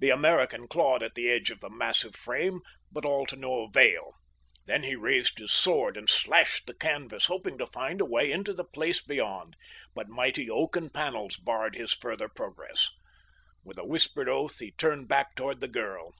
The American clawed at the edge of the massive frame, but all to no avail. Then he raised his sword and slashed the canvas, hoping to find a way into the place beyond, but mighty oaken panels barred his further progress. With a whispered oath he turned back toward the girl.